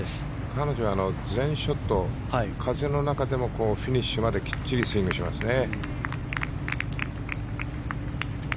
彼女は全ショット風の中でもフィニッシュまできっちりスイングしますね。